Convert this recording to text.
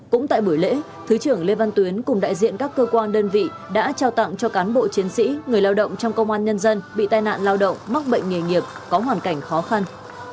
cũng tại buổi lễ thứ trưởng lê văn tuyến cùng đại diện các cơ quan đơn vị đã trao tặng cho cán bộ chiến sĩ người lao động trong công an nhân dân bị tai nạn lao động mắc bệnh nghề nghiệp có hoàn cảnh khó khăn